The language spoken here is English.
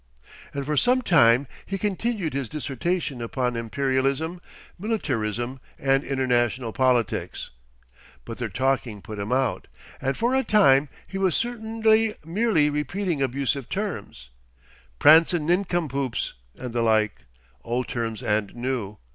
And for some time he continued his dissertation upon Imperialism, militarism, and international politics. But their talking put him out, and for a time he was certainly merely repeating abusive terms, "prancin' nincompoops" and the like, old terms and new.